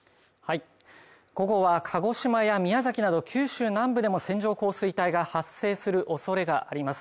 今後は鹿児島や宮崎など九州南部でも線状降水帯が発生するおそれがあります。